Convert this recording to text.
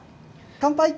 乾杯。